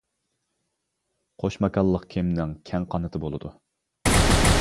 قوش ماكانلىق كېمىنىڭ كەڭ قانىتى بولىدۇ.